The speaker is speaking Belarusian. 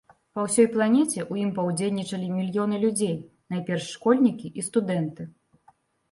Па ўсёй планеце ў ім паўдзельнічалі мільёны людзей, найперш школьнікі і студэнты.